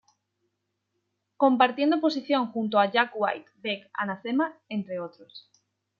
Compartiendo posición junto a Jack White, Beck, Anathema, entre otros.